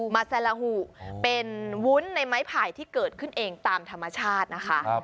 มาแซลาหุเป็นวุ้นในไม้ไผ่ที่เกิดขึ้นเองตามธรรมชาตินะคะ